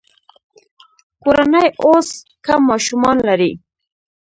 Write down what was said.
کورنۍ اوس کم ماشومان لري.